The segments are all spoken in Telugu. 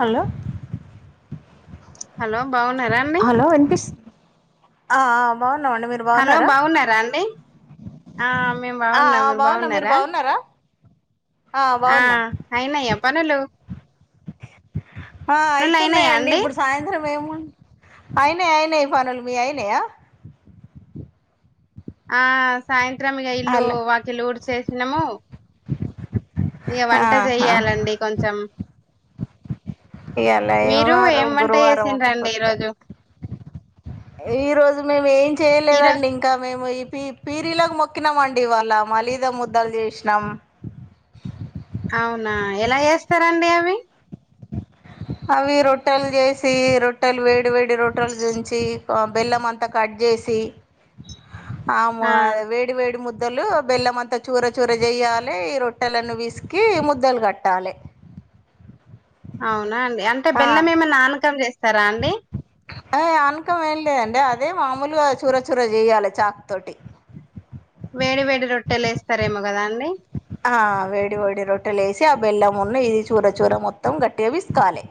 హలో హలో బాగున్నారా అండి హలో వినిపిస్ ఆ ఆ బాగున్నామండి మీరు హలో బాన్నారా బాగున్నారా అండి ఆ మేము ఆ బాగున్నాం ఆ బాగున్నాం మీరు బాగున్నారా ఆ అయినాయ పనులు హా పనులు అయినాయా అయితున్నాయండి అండి ఇబ్బుడు సాయంత్రం ఐనాయ్ అయినాయ్ ఫనులు మీవి అయినయా ఆ సాయంత్రం ఇగ ఇల్లు అలా వాకిల్లు ఊడ్చేసినాము ఇగ వంట ఆహా జెయ్యాలండి కొంచెం ఇయాలా ఏ మీరు ఏం వారం వంట గురువారం చేసిండ్రండి ఒక్కపొద్దు ఈరోజు ఈ రోజు మేము ఏం ఈరో చేయలేదండి ఇంకా మేము ప పీరీలాలకు మొక్కినాం అండి ఇవాల మలీదా ముద్దలు జేష్నాం అవునా ఎలా ఏస్తారండి అవి అవి రొట్టెలు జేసి రొట్టెలు వేడి వేడి రొట్టెలు జుంచి బెల్లం అంతా కడ్ జేసి ఆమూ ఆ వేడి వేడి ముద్ ముద్దలు బెల్లంమంతా చూర చూర జేయాలి ఈ రొట్టెలను విసికి ముద్దలు గట్టాలె అవునా అండి అంటే ఆ బెల్లం ఏమన్నా ఆనకం జేస్తారా అండి ఆయ్ ఆనకం ఏం లేదండి అదే మామూలుగా చూర చూర జెయ్యాలె చాకు తోటి వేడి వేడి రొట్టెలు ఏస్తారేమో గదా అండి ఆ వేడి వేడి రొట్టెలు ఏసి ఆ బెల్లమును ఇది చూర చూర మొత్తం గట్టిగా విస్ కాలె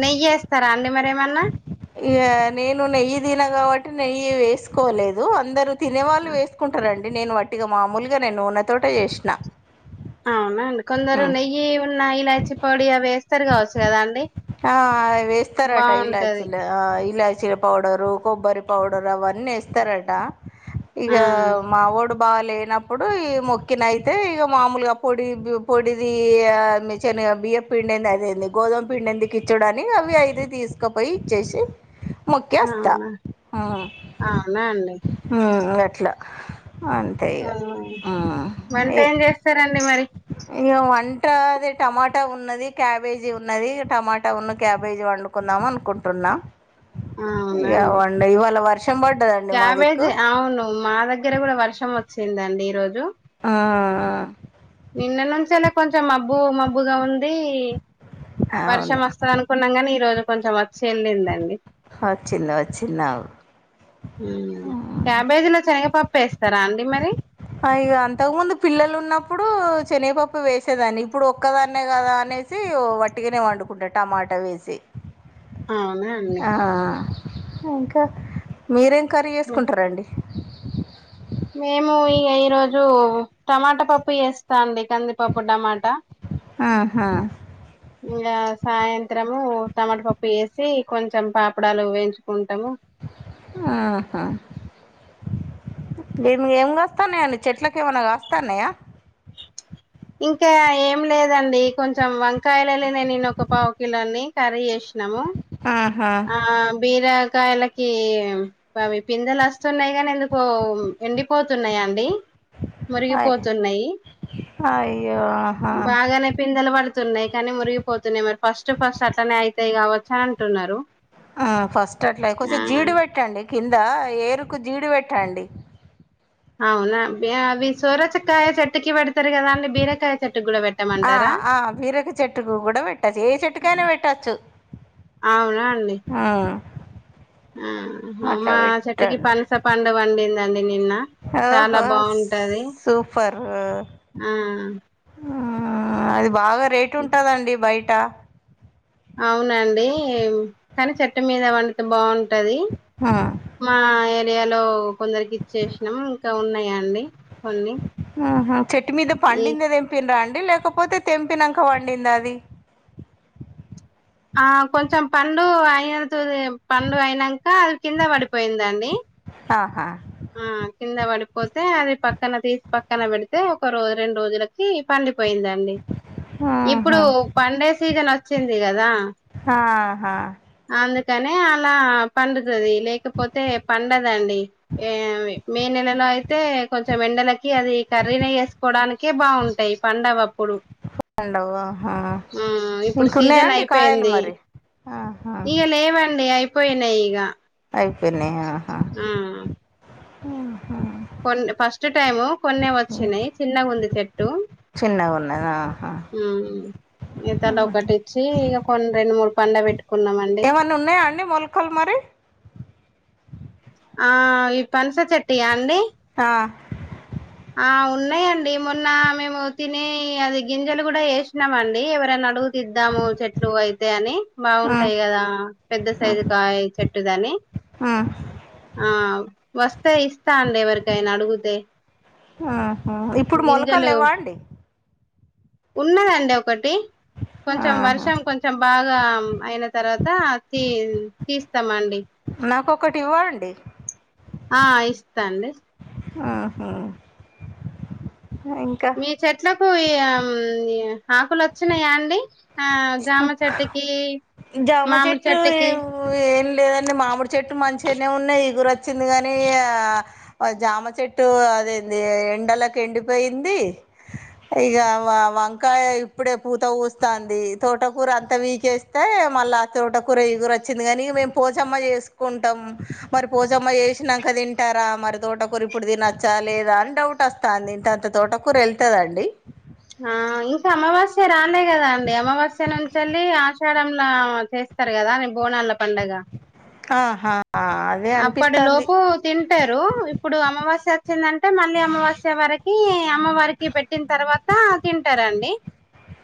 నెయ్యేస్తారా అండి మరి ఏమన్నా ఇగ నేను నెయ్యి దిన గాబట్టి నెయ్యి వేసుకోలేదు అందరు తినేవాళ్ళు ఆ వేసుకుంటారండి నేను వట్టిగా మామొలుగా నేను వున్న తోటే జేషినా అవునా అండి కొందరు నెయ్యి ఉన్న ఇలాచి పొడి అవి ఏస్తారు గావచ్చు కదా అండి ఆ వేస్తారట బాగుంటది ఇలాచ్చిలు ఆ ఇలా చ్చిల పౌడరు కొబ్బరి పౌడరు అవన్ని ఏస్తారట ఇగ ఆ మావోడు బాగాలేనప్పుడు ఈ మొక్కిన అయితే ఇగ మామొలుగా పొడి పొడిది ఈ యా శనుగ బియ్యప్పిండి అదింది గోధుమ పిండిదుకు ఇచ్చుడని అవి అయితే తీసుకుపోయి ఇచ్చేసి ముక్కేస్తొ అవునా ఆ అవునా అండి ఆ గట్లా అంతే ఆ ఇగ ఆ వంట ఎ ఏం చేస్తారండి మరి ఇగ వంట అది టమాటా ఉన్నది క్యాబేజీ ఉన్నది టమాటా ఉన్ను క్యాబేజీ వండుకుందా దాం అనుకుంటున్నా అవునా ఇగ అండి వండే ఇవాల వర్ క్యాబేజీ అవును మా దగ్గర గుడా వర్షం వచ్చిందండి ఈ రోజు ఆ అ నిన్న నుంచేనె కొంచెం మబ్బు మబ్బుగా ఉం ది వర్షం అవును వస్తది అనుకున్నాం గిని ఈ రోజు కొంచం వచ్చి ఎళ్ళిందండి వచ్చింది వచ్చింది ఉమ్ క్యాబేజ్లో చెయ్యప్ పప్పేస్తారా అండి మరి ఇగ అంతకు ముందు పిల్లలు ఉన్నప్పుడు శనగపప్పు వేసేదాన్ని ఇప్పుడు ఒక్కదాన్నే కదా అని వేసి వట్టిగానే వండుకుంటా టమాటా వేసి అవునా అండి ఆ ఇంకా మీరేం కర్రీ హ్మ్. చేసుకుంటారండి మేము ఈ ఈరోజు టమాటా పప్పు చేస్తా అండి కందిపప్పు టమాటా ఆహా ఇంగా సాయంత్రము టమాటపప్పు వేసి కొంచెం పాపడాలు వేయించుకు ఆహా నేను ఏమి కాస్తాన్నాయాడి చెట్లలకు ఏమన్నా కాస్తాన్నాయా ఇంకా ఏం లేదండి కొంచెం కొంచెం వంకాయలు వెళ్లినయ్ నిన్ను ఒక పావుకిలన్నీ కర్రీ చేసి సినము ఆహా ఆ బీర కాయలకి పిందలు వస్తున్నాయి కానీ ఎందుకో ఎండిపోతున్నాయాండి అయ్ మురిగిపోతున్నాయి అయ్యో ఆహా బాగానే పిందలు పడుతున్నాయి కానీ మురిగిపోతున్నాయి మరి ఫస్ట్ ఫస్ట్ అట్లనే అవుతాయి కావ చా అంటున్నారు ఆ ఫస్ట్ అట్లా కొంచెం ఆ జీడి పెట్టండి కింద ఏరుకు జీడు పెట్టండి అవునా బ అవి సోరచకాయ చేట్టుకి పడతారు కదా అం బీరకాయ చెట్టుకి కూడా ఆ పెట్టమంటారా ఆ బీరక చెట్టుకు కూడా పెట్టచ్చు ఏ చెట్టుకైనా పెట్టచ్చు అవునా అడి ఆ ఆ అట్లా మా చెట్కి పనస పండు వండిందా ఆఓహో సూపర్ ఆ అది బాగా రేటు ఉంటుందండి బయట అవునండి కానీ చెట్టు మీద వడితే బాగుంటు ఆ [inaudible] ఇండియాలో కొందరికి ఇచ్చేసినం ఇంకా ఉన్నాయా అండి చెట్టు మీద ఈ పండింద లేకపోతే తెంపినాక వండింది అది ఆ కొంచెం పండు అయినది పండు అయినాక అది కింద పడిపోయిందండి ఆహా ఆ కింద పడిపోతే అది పక్కన తీసి పక్కన పెడితే ఒక రోజ రెండు రోజులకి పండి పోయిందండి ఆహా ఇప్పుడు పండే సీజన్ వచ్చింది కదా ఆహా కానే అలా పడుతుది లేకపోతే పండదండి మే నెలలో అయితే కొంచెం ఎండలకి అది కర్రీని వేసుకోవడానికే బాగుంటాయి పండవ అప్పుడు పండవు ఆహా ఆ ఇప్పుడు ఇంకున్నాయా సీజన్ అండి కాయలు అయిపోయింది మరి ఆహా ఇక లేవండి అయిపోయినాయి ఇక అయిపోనే ఆ ఆహా కొన్ని ఫస్ట్ టైము కొన్ని వచ్చినాయి చిన్నగా ఉంది చెట్టు చిన్నగా ఉన్న ఉ ఈతల ఒకటిచ్చి ఇక కొన్ని రెండు మూరు పండగ పెట్టు ఏమన్న ఉన్నాయా అండి మొలకలు మరి ఆ ఈ పనస చెట్యా అండి ఆ ఆ ఉన్నా అలాండి మొన్న మేము తిని అది గింజలు కూడా వేసినామండి ఎవరైనా అడుగు దిద్దాము చెట్లు అయితే అని ఆ బాగుంటాయి కదా పెద్ద సైజు కాయ చెట్టుదని మ్ ఆ వస్తే ఇస్తా అండి ఎవరికైనా అడుగితే మ్ హు ఇప్పుడు మొలకలు లేవ్వ అండి ఉన్నాయండి ఒకటి కొంచెం ఆహా వర్షం కొంచెం బాగా అయిన తర్వాత తీ తీస్తామ అండి నాకు ఒకటి ఇవ్వండి ఆ ఇస్తాండి ఆహ ఇంకా మీ చెట్లకు ఆకులు వచ్చినాయా అండి ఆ జామ చెట్టుకి జామ మామిడి చెట్టు చెట్టుకి ఏం లేదండి మామిడి చెట్టు మంచి మంచిగానే ఉన్నాయి ఈ గురు వచ్చింది కాని జామ చెట్టు అదేంది ఎండలకి ఎండిపోయింది ఇగ వంకాయ ఇప్పుడే పూత పుస్తుంది తోటకూర అంత పికేస్తే మళ్ళీ ఆ తోటకూర ఈ గుర వచ్చింది కానీ మేము పోచమ్మ చేసుకుంటాము మరి పోచమ్మ చేసినాక తింటారా మరి తోట కూరి ఇప్పుడు తినొచ్చా లేదా అని డౌట్ వస్తాంది ఇంతంత తోట కూూర ఎళ్తదండి ఆ ఇంకా అమావాస్య రాలే కదా అండి అమావాస్య నుంచి వెళ్లి చేడలా చేస్తారు కదా నే బోనాల పండగ ఆహా అదే అప్పటి అనిపిస్తుంది లోపు తింటారు ఇప్పుడు అమావాస్య వచ్చిందంటే మళ్ళీ అమ్మ వచ్చే వారికి అమ్మవారికి పెట్టిన తర్వాత తింటారండి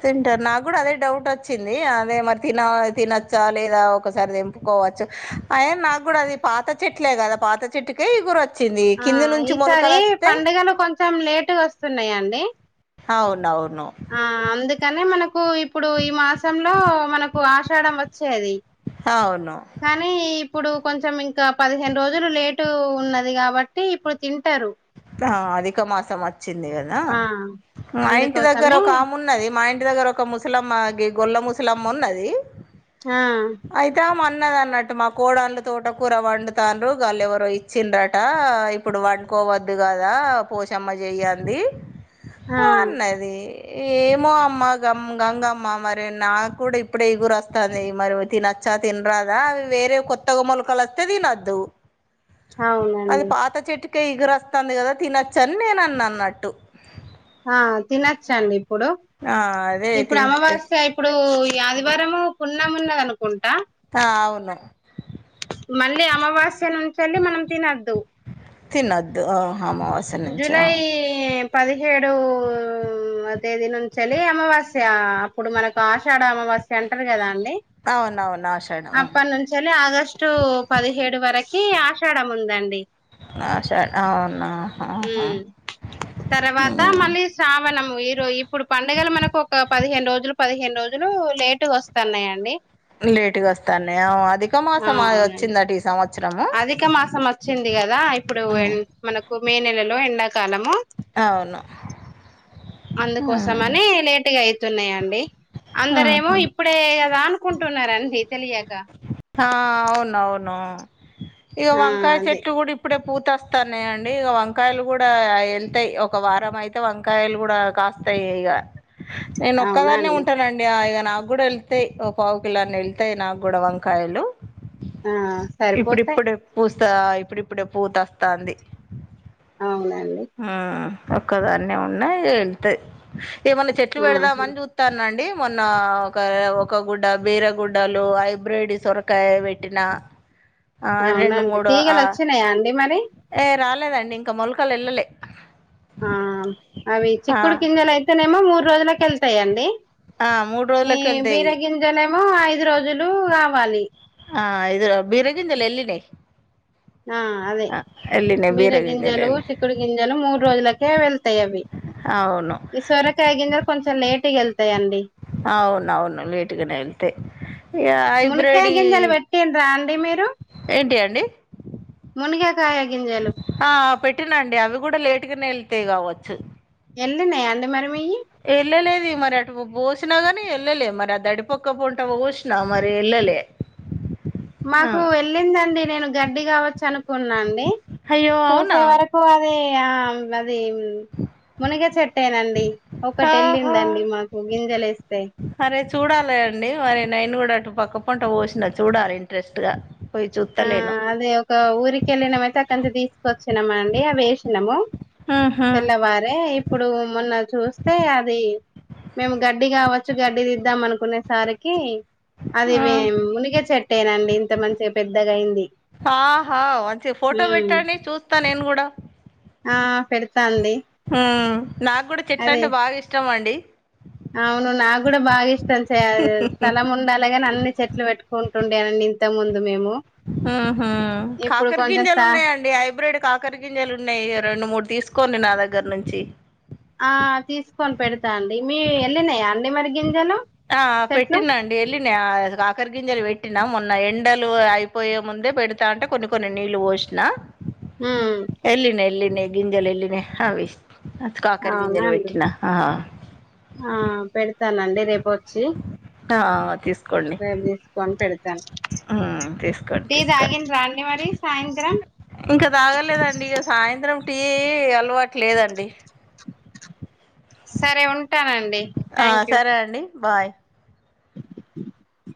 తింటారు నాకు కూడా అదే డౌట్ వచ్చింది అదే మరి తిన తినొచ్చా లేదా ఒకసారి తెంపుకో పోవచ్చు అయన నాకు కూడా అది పాత చెట్లే కదా పాత చెట్టుకే ఈ గురు వచ్చ ఆ ఈసారి పండుగలు కొంచెం లేటుగొస్తున్నాయాండి అవునవును ఆ అందుకనే మనకు ఇప్పుడు ఈ మాసంలో మనకు ఆషాఢం వచ్చేది అవును కానీ ఇప్పుడు కొంచెం ఇంకా పదిహేను రోజులు లేటు ఉన్నది కాబట్టి ఇప్పుడు తింటారు ఆ అధిక మాసం మ వచ్చింది కదా ఆ మా ఇంటి దగ్గర అందుకోసమే ఒక ఆమున్నది మా ఇంటి దగ్గర ఒక ముసలం గొల్ల ముసలమ్మ ఉన్నది ఆ న్నది అన్నట్టు మా కోడళ్ళు తోట కూర వండుతారు వాళ్ళు ఎవరో ఇచ్చిండ్రట ఇప్పుడు వండుకోవద్దు అడు కదా పోషమ్మ చెయ్యంది ఆ అన్నది ఏమో అమ్మ గమ్ గంగమ్మ మరి నాకు కూడా ఇప్పుడే ఈగురు వస్తంది మరి తినచ్చ తినరాదా అవి వేరే కొత్తగా మొలకలోత్తే తినద్దు అవునండి కే ఇగురు వస్తంది కదా తినొచ్చుఅని నేను అన్నట్టు ఆ తినచ్చండి ఇప్పుడు ఆ అదే ఇప్పుడు తింటే అమావాస్య ఇప్పుడు ఈ ఆదివారంము పున్నామున్నది అనుకుంటా ఆ అవును మళ్ళీ అమావాస్య నుంచేళ్ళి మనం తినొద్దు తిన్నద్దు ఆ జులై పదిహేడు తేదీ నుంచేలి అమావాస్య అప్పుడు మనకు ఆషాఢ అమావా సెంటర్ కదా అండి అవునవును ఆషాఢం అప్పటి నుంచెల్లి ఆగస్టు పదిహేడు వరకు కి ఆషాఢ ఉందండి ఆషాడం అవునా ఆ హు ఉమ్ తర్వాత మళ్ళీ శ్రావణము ఈరో ఇప్పుడు పండుగలు మనకు ఒక పదిహేను రోజులు పదిహేను రోజులు లేటుగా వస్తున్నాయండి లేటుగా వస్తానేయ్ అధిక ఆ మాసం అవునండి వచ్చిందటు ఈ సంవత్సరము అధిక మాసం వచ్చింది కదా ఇప్పుడు మనకు మే నెలలో ఎండాకాలము అవును అందు కోసమనే లేటుగా అయితున్నాయండి అందరేమో ఇప్పుడే అదా అనుకుంటున్న రండి తెలియక నో ఇక ఆ వంకాయ అదే చెెట్లు కూడా ఇప్పుడే పూతస్తాన్నాయి అండి ఇక వంకాయలు కూడా వెళ్తాయి ఒక వారం అయితే వంకాయలు కూడా కాస్త ఇక నేను అవునా ఒక్కదానే అండి ఉంటా ఇక నాకు కూడా వెళ్తాయి ఒక పావు కిలో అన్ని వెళ్తాయి నాకు కూడా వంకాయలు ఆ సరిపోతాయి ఇప్పుడిప్పుడు పూస్తా ఇప్పుడిప్పుడే పూత వస్తాంది అవును ఉమ్ ఒక్కదాన్నే ఉన్నా వెళ్తే ఏమన్నా చెట్లు ఆహా పెడదామని చూస్తాన అండి మొన్న ఒక ఒక గుడ్డ బీరగుడ్డలు హైబ్రిడ్ సొరకాయ పెట్టిన ఆ రెండు అవునండి మూడు తీగలు వచ్చినాయా అండి మరి పెట్ట లేదండి ఇంకా మొలకలు వెల్లాలే ఆ అవి ఆ చిక్కుడు గింజలు అయితేనేమో మూడు రోజుల కి వెళ్తాయండి ఆ మూడు ఈ రోజులకి వెళ్తాయి బీర గింజలు ఏమో ఐదు రోజులు కావాలి ఆ ఇరు బిర గింజలు ఎలిన్నాయి ఆ అదే బీర బీరగింజలు గింజలు వెళ్ళి చిక్కుడు గింజలు మూడు రోజులకే వెళతాయి అవి అవును ఈ సోరకాయ గింజలు కొంచెం లేటుగా ఎలాత్తాయి అవును అవును లీట్గానే వెళ్తే ఇక మునక్కాయ హైబ్రెడి గింజలు పెట్టిండ్రా ఇ ఏంటి అండి మునుగాకాయ గింజలు పట్టినండి అవి కూడా లేటుగానే వెళ్తేయి కావచ్చు వెళ్ళన్నాయా అండి మరి మీయి వెళ్ళలేదు మరి అటు పోసినా గాని వెళ్ళలే మరి ఆ దడి పక్క పుంట పోసినా మరి వెళ్ళలే ఆ మాకు వెళ్ళిందండి నేను గడ్డి కావచ్చు అను కున్నాండి అయ్యో అవునా చూసే వరకు అది ఆ అది మునగ చెట్టేనండి ఒకటి వెళ్ళిందండి ఆహా మాకు గింజలు వేస్తే అరే చూడాలి అండి మరి నైను కూడా అటు పక్క పంట పోసినా చూడాలి ఇంట్రెస్ట్ గా పోయి ఆ చూస్తలేను అదే ఒక ఊరికెళ్ళినమయితే అక్కడ నుంచి తీసుకొచ్చినమ అండి అవి వేసినాము ఆహా తెల్లవారే ఇప్పుడు మొన్న చూస్తే అది మేము గడ్డి కావచ్చు గడ్డదిద్దాం అనుకునేసరికి అది ఆ మునిగ చెట్టేనండి ఇంత మంచిగా పెద్దగాయింది ఆహా మంచి ఫోటో పెట్టండి చూస్తా నేను కూడా ఆ పెడతా అండి హుమ్ నాకు కూడా చెట్ల అదే అంటే బాగా ఇష్టం అండి అవును నాకు కూడా బాగా ఇష్టం స్థలం ఉండాలేగానీ అన్ని చెట్లు పెట్టుకుంటా ఉండే వండి ఇంత ముందు మేము ఉహుమ్ ఇప్పుడు కాకర కొంచెం గింజాలు స్థ ఉన్నాయండి హైబ్రిడ్ కాకర గింజలు ఉన్నాయి ఇక రెండు మూడు తీసుకోండి నా దగ్గర నుంచి ఆ తీసుకొని పెడతా అండి మీ వెళ్ళినాయా అండి మరి గింజలు ఆ చెట్లు పెట్టిన అండి ఎలినాయి కాకర్ గింజలి పెట్టి పెట్టినా మొన్న ఎండలు అయిపోయే ముందే పెడతా అంటే కొన్ని కొన్ని నీళ్లు పోసిన ఉమ్ ఎలినే ఎలినే గింజల్ ఎళినే అవి అ కాకర అవునా గింజలు అండి పెట్టినా ఆ ఆ పెడతానండి రేపు వచ్చి ఆ తీస్త సరే అండి ఫోన్ పెడతా ఆ తీసుకోండి తీసుకోండి అండి మరి సాయంత్రం ఇంకా తాగలేదండి ఇక సాయంత్రం టీ అలవాటు లేదండి సరే ఉంటానండి ఆ సరే అండి బాయ్ అ